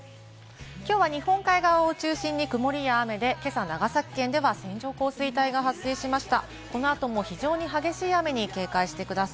きょうは日本海側を中心に曇りや雨で、今朝、長崎県では線状降水帯が発生しました。